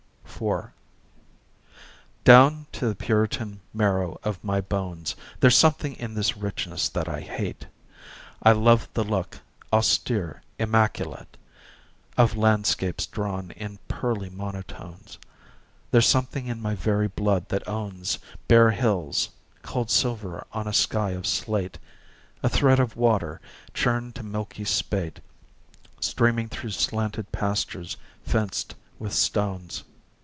4 Down to the Puritan marrow of my bones There's something in this richness that I hate. I love the look, austere, immaculate, Of landscapes drawn in pearly monotones. There's something in my very blood that owns Bare hills, cold silver on a sky of slate, A thread of water, churned to milky spate Streaming through slanted pastures fenced with stones.